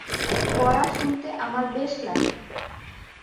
পড়া শুনতে আমার বেশ লাগে।